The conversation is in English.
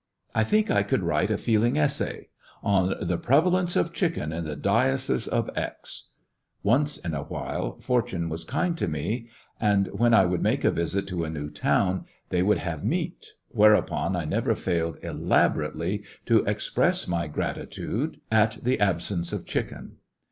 I think I could write a feeling essay "On the Prevalence of Chicken in the Diocese of X ." Once in a while fortune was kind to me, and when I would make a visit to a new town they would have meat, whereupon I never failed elaborately to express my gratifi 102 lyiissionarY in tge Great West cation at the absence of chicken.